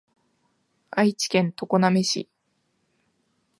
愛知県常滑市